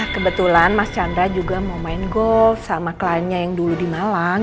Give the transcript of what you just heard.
kebetulan mas chandra juga mau main golf sama kliennya yang dulu di malang